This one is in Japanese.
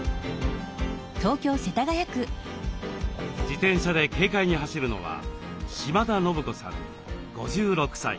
自転車で軽快に走るのは島田信子さん５６歳。